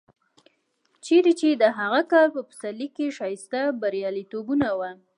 چېرې چې د هغه کال په پسرلي کې ښایسته بریالیتوبونه و.